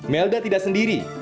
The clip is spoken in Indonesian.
melda tidak sendiri